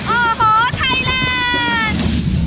โอ้โหไทยแลนด์